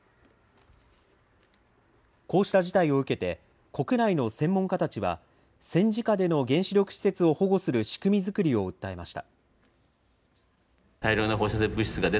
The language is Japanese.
こうした事態を受けて、国内の専門家たちは、戦時下での原子力施設を保護する仕組み作りを訴えました。